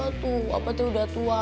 abah udah tua